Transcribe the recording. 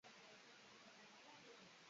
yakwifuza kugira ubugingo